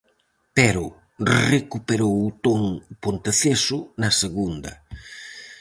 Pero recuperou o ton o Ponteceso na segunda.